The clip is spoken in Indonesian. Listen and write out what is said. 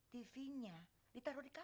tv nya ditaruh di kantor